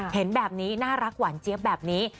เห็นแบบนี้น่ารักหวานเจี๊ยบแบบนี้